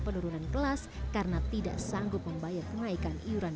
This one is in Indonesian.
tim liputan cnn indonesia